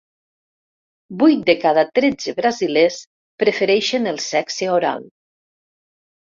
Vuit de cada tretze brasilers prefereixen el sexe oral.